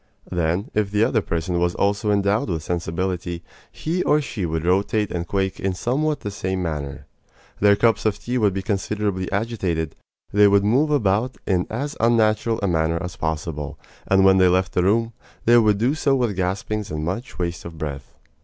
Then, if the other person was also endowed with sensibility, he or she would rotate and quake in somewhat the same manner. Their cups of tea would be considerably agitated. They would move about in as unnatural a manner as possible; and when they left the room, they would do so with gaspings and much waste of breath.